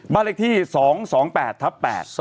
บ้านเลขที่๒๒๘ทับ๘๒